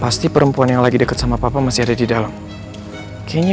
pasti perempuan yang lagi dekat sama papa masih ada di dalam